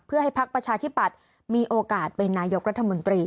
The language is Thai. เพื่อให้พักประชาธิปัตย์มีโอกาสเป็นนายกรัฐมนตรี